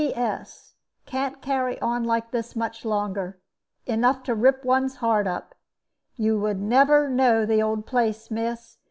"P.S. Can't carry on like this much longer. Enough to rip one's heart up. You never would know the old place, miss.